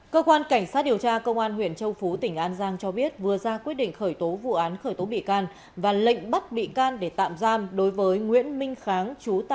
cơ quan cảnh sát điều tra công an huyện châu phú tỉnh an giang cho biết vừa ra quyết định khởi tố vụ án khởi tố bị can và lệnh bắt bị can để tạm giam đối với nguyễn minh kháng